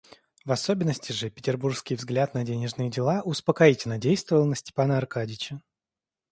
В особенности же петербургский взгляд на денежные дела успокоительно действовал на Степана Аркадьича.